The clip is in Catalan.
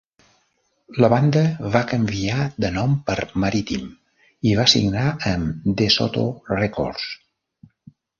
La banda va canviar de nom per Maritime i va signar amb DeSoto Records.